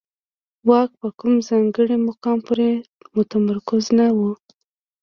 واک په کوم ځانګړي مقام پورې متمرکز نه و.